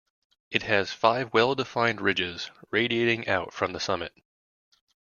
It has five well-defined ridges radiating out from the summit.